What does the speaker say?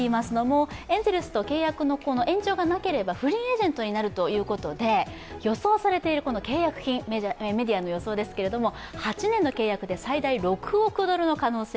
エンゼルスと契約の延長がなければ、フリーエージェントになるということで、予想されているメディアのものですが８年の契約で最大６億ドルの可能性。